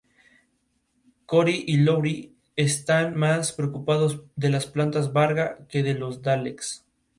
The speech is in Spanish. Cory y Lowery están más preocupados de las plantas Varga que de los Daleks.